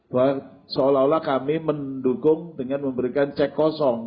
bahwa seolah olah kami mendukung dengan memberikan cek kosong